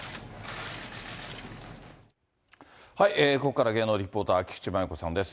ここからは芸能リポーター、菊池真由子さんです。